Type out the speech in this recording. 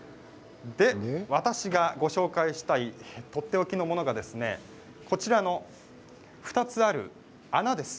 私がご紹介したいとっておきのものがこちら２つある穴です。